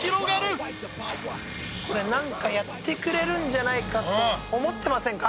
これなんかやってくれるんじゃないかと思ってませんか？